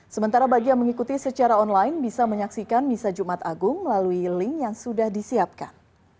sementara bagi yang mengikuti secara online bisa menyaksikan misa jumat agung melalui link yang sudah disiapkan